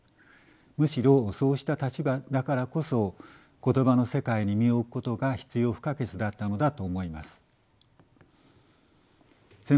むしろそうした立場だからこそ言葉の世界に身を置くことが必要不可欠だったのだと思います。